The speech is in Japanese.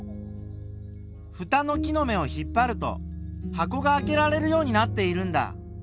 ふたの木の芽を引っ張ると箱があけられるようになっているんだ。